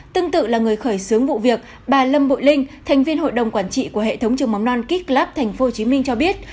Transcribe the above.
tương tự là người khởi xướng vụ việc bà lâm bội linh thành viên hội đồng quản trị của hệ thống trường mầm non kicklub tp hcm cho biết